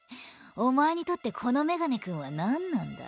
お前にとってこの眼鏡君は何なんだ？